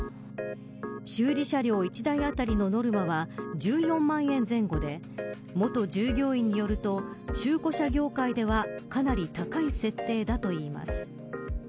修理車両１台あたりのノルマは１４万円前後で元従業員によると中古車業界ではかなり高い設定だといいます。